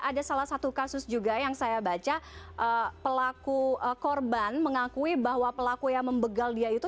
ada salah satu kasus juga yang saya baca pelaku korban mengakui bahwa pelaku yang membegal dia itu